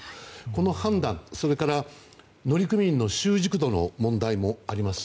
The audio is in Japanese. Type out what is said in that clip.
この判断、それから乗組員の習熟度の問題もあります